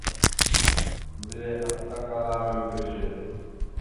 Mbelle apəslakala membreze.